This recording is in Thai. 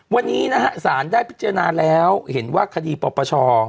วันนี้นะฮะสารได้พิจารณาแล้วเห็นว่าคดีปปช